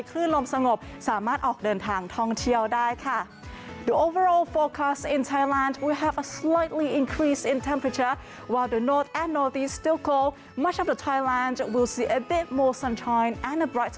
คลื่นลมสงบสามารถออกเดินทางท่องเที่ยวได้ค่ะ